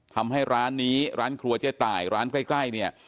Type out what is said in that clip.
ทำให้ร้านนี้ร้านครัวเจ๊ตายร้านใกล้เนี่ย